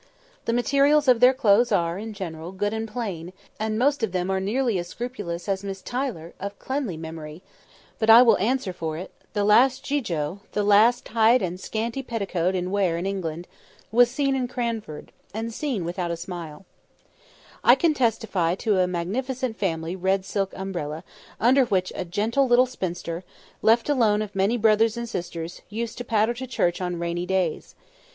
The materials of their clothes are, in general, good and plain, and most of them are nearly as scrupulous as Miss Tyler, of cleanly memory; but I will answer for it, the last gigot, the last tight and scanty petticoat in wear in England, was seen in Cranford—and seen without a smile. [Picture: A magnificent family red silk umbrella] I can testify to a magnificent family red silk umbrella, under which a gentle little spinster, left alone of many brothers and sisters, used to patter to church on rainy days.